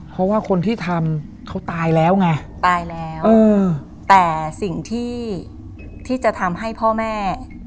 เพราะว่าคนที่ทำเขาตายแล้วไงตายแล้วแต่สิ่งที่ที่จะทำให้พ่อแม่